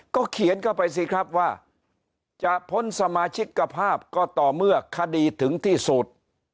เขียนเข้าไปสิครับว่าจะพ้นสมาชิกกภาพก็ต่อเมื่อคดีถึงที่สุด